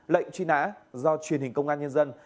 lệnh truy nã do truyền hình công an nhân dân